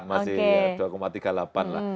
masih dua empat masih dua tiga puluh delapan lah